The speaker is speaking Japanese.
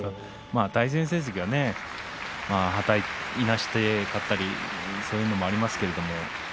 対戦成績はねいなして勝ったりそういうのもありますけれど。